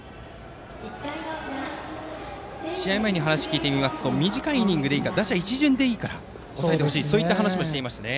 試合前に話を聞いていますと短いイニングでいいから打者一巡でいいから抑えてほしいという話をしていましたね。